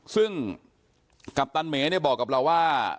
ซึ่งกัปตันเมเนี่ยบอกกับเราว่า